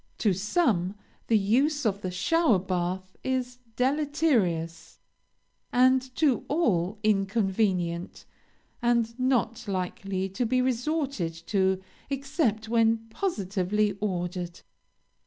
To some, the use of the shower bath is deleterious, and to all inconvenient, and not likely to be resorted to except when positively ordered.